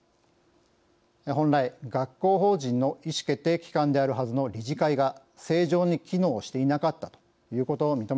本来学校法人の意思決定機関であるはずの理事会が正常に機能していなかったということを認めた形です。